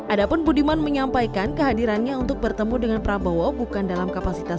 adapun budiman menyampaikan kehadirannya untuk bertemu dengan prabowo bukan dalam kapasitas